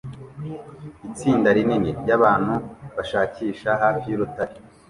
Itsinda rinini ryabantu bashakisha hafi yurutare